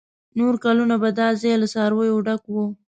نور کلونه به دا ځای له څارویو ډک و.